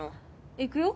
行くよ。